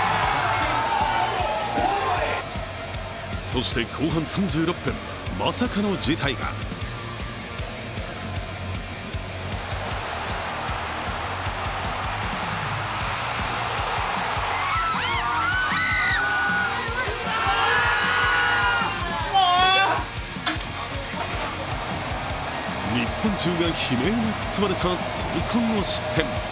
そして、後半３６分まさかの事態が日本中が悲鳴に包まれた痛恨の失点。